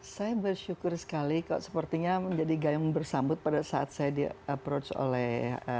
saya bersyukur sekali kok sepertinya menjadi gayam bersambut pada saat saya di approach oleh